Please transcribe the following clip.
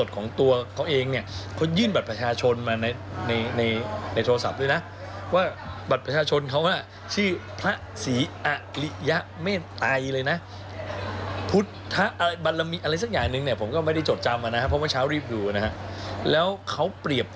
กับเขาลงมาเกิดเลย